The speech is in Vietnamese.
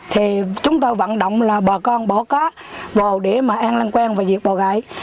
thì chúng tôi vận động là bò con bỏ cá vào để an lăn quen và diệt bò gãy